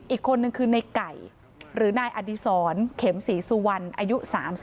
อีกคนนึงคือในไก่หรือนายอดีศรเข็มศรีสุวรรณอายุ๓๒